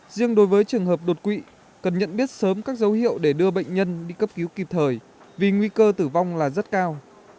riêng đối với trường hợp đột quỵ cần nhận biết sớm các dấu hiệu để đưa bệnh nhân đi cấp cứu kịp thời vì nguy cơ tử vong là rất cao